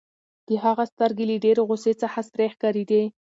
د هغه سترګې له ډېرې غوسې څخه سرې ښکارېدې.